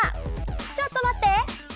ちょっと待って。